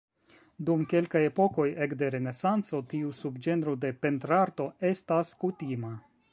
Dum kelkaj epokoj ekde Renesanco tiu subĝenro de pentrarto estas kutima.